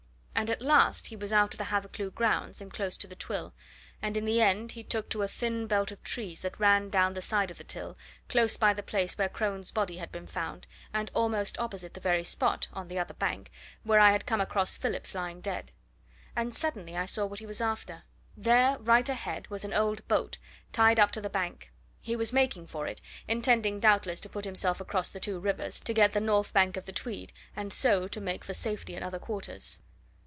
And at last he was out of the Hathercleugh grounds, and close to the Till, and in the end he took to a thin belt of trees that ran down the side of the Till, close by the place where Crone's body had been found, and almost opposite the very spot, on the other bank, where I had come across Phillips lying dead; and suddenly I saw what he was after. There, right ahead, was an old boat, tied up to the bank he was making for it, intending doubtless to put himself across the two rivers, to get the north bank of the Tweed, and so to make for safety in other quarters.